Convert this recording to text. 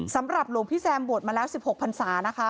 สำหรับหลวงพี่แซมบวชมาแล้ว๑๖พันศานะคะ